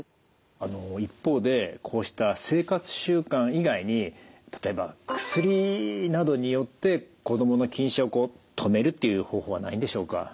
あの一方でこうした生活習慣以外に例えば薬などによって子どもの近視を止めるっていう方法はないんでしょうか。